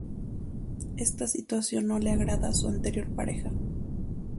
Esta situación no le agrada a su anterior pareja.